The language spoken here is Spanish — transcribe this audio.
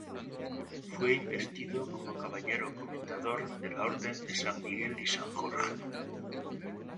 Fue investido como caballero comendador de la Orden de San Miguel y San Jorge.